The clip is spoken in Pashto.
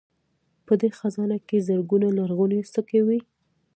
په دې خزانه کې زرګونه لرغونې سکې وې